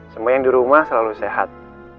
semua yang di rumah selalu sehat